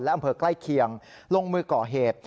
อำเภอใกล้เคียงลงมือก่อเหตุ